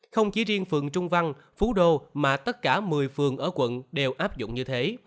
không chỉ riêng phường trung văn phú đô mà tất cả một mươi phường ở quận đều áp dụng như thế